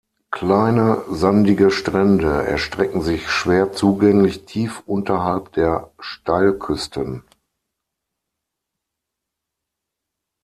Kleine sandige Strände erstrecken sich schwer zugänglich tief unterhalb der Steilküsten.